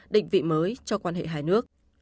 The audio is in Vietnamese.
định vị mới cho quan hệ hai nước